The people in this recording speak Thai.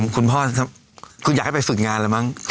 คุณพ่ออยากให้ไปศึกงานละมั้ง